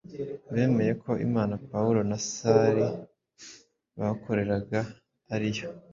Bemeye ko Imana Pawulo na Sira bakoreraga ari yo